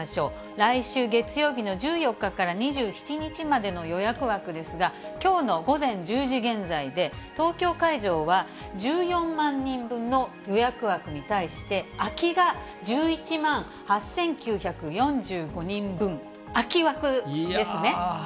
来週月曜日の１４日から２７日までの予約枠ですが、きょうの午前１０時現在で、東京会場は１４万人分の予約枠に対して、空きが１１万８９４５人分、空き枠ですね。